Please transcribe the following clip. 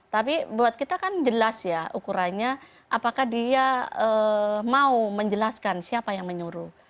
tapi buat kita kan jelas ya ukurannya apakah dia mau menjelaskan siapa yang menyuruh